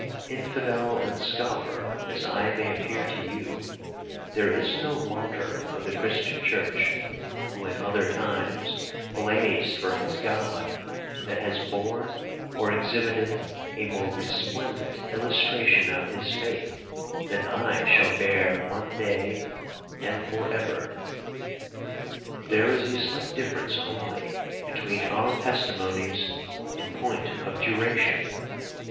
'Infidel and scoffer as I may appear to you, there is no martyr of the Christian church, who in other times blazed for his God, that has borne or exhibited a more resplendent illustration of his faith, than I shall bear one day—and for ever. There is a slight difference only between our testimonies in point of duration.